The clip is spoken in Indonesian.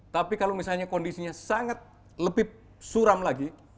tapi kalau misalnya kondisinya sangat lebih suram lagi